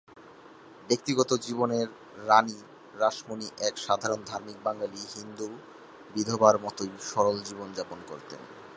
ব্যক্তিগত জীবনে রাণী রাসমণি এক সাধারণ ধার্মিক বাঙালি হিন্দু বিধবার মতোই সরল জীবনযাপন করতেন।